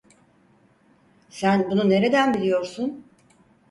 Sen bunu nereden biliyorsun?